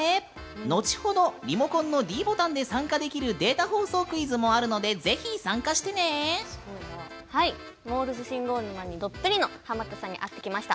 後ほどリモコンのｄボタンで参加できるデータ放送クイズもあるのでモールス信号沼にどっぷりのハマったさんに会ってきました！